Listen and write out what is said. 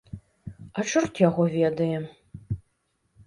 А чорт яго ведае.